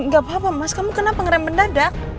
gapapa mas kamu kenapa ngerem benda dak